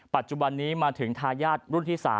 ปัจจุบันนี้มาถึงทายาทรุ่นที่๓